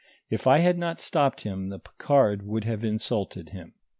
If I had not stopped him, the Picard would have insulted him.